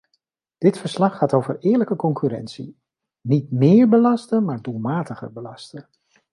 Dit verslag gaat over eerlijke concurrentie: niet méér belasten, maar doelmatiger belasten.